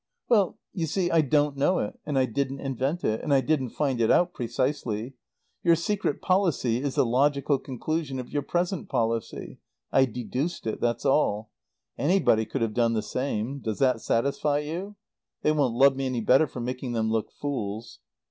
"Well, you see, I don't know it; and I didn't invent it; and I didn't find it out precisely. Your secret policy is the logical conclusion of your present policy. I deduced it; that's all. Anybody could have done the same. Does that satisfy you? (They won't love me any better for making them look fools!)"